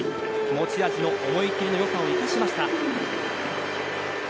持ち味の思い切りの良さを生かしました。